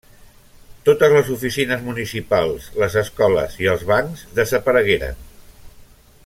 Totes les oficines municipals, les escoles i els bancs desaparegueren.